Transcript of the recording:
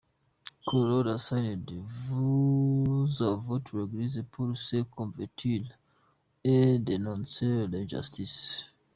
Quel rôle assignez-vous à votre Eglise pour se convertir et dénoncer les injustices?».